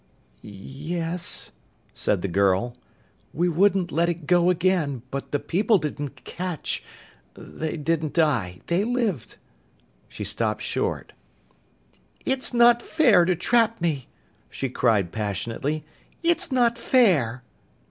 "Y yes," said the girl. "We wouldn't let it go again. But the people didn't catch they didn't die. They lived " She stopped short. "It's not fair to trap me!" she cried passionately. "It's not fair!"